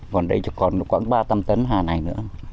còn đây còn khoảng ba tâm tấn hà này nữa